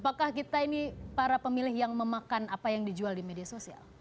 apakah kita ini para pemilih yang memakan apa yang dijual di media sosial